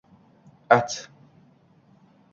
At